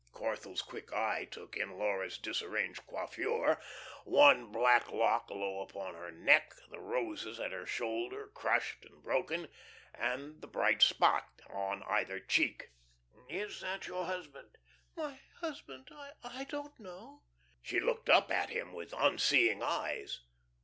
Corthell's quick eye took in Laura's disarranged coiffure, one black lock low upon her neck, the roses at her shoulder crushed and broken, and the bright spot on either cheek. "Is that your husband?" "My husband I don't know." She looked up at him with unseeing eyes.